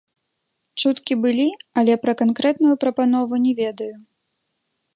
Чуткі былі, але пра канкрэтную прапанову не ведаю.